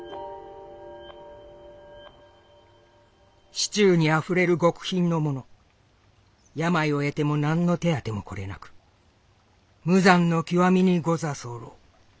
「市中にあふれる極貧の者病を得ても何の手当てもこれなく無残の極みにござそうろう。